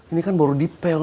ini kan baru dipel